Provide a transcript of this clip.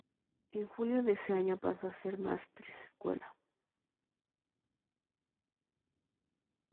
En julio de ese año pasó a ser maestrescuela.